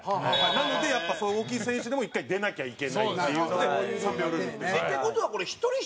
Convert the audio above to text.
なので、大きい選手でも、１回出なきゃいけないっていうので３秒ルールっていうのが。